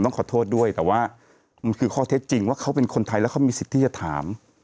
ขอโทษด้วยแต่ว่ามันคือข้อเท็จจริงว่าเขาเป็นคนไทยแล้วเขามีสิทธิ์ที่จะถาม